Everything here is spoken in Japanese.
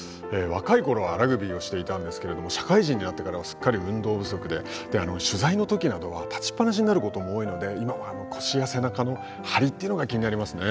若い頃はラグビーをしていたんですけれども社会人になってからはすっかり運動不足で取材の時などは立ちっ放しになることも多いので今は腰や背中の張りというのが気になりますね。